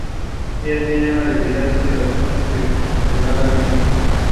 The city intended to acquire the building for an upcoming train trench project.